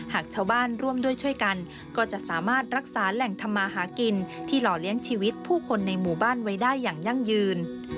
หากชาวบ้านร่วมด้วยช่วยกันก็จะสามารถรักษาแหล่งทำมาหากินที่หล่อเลี้ยงชีวิตผู้คนในหมู่บ้านไว้ได้อย่างยั่งยืน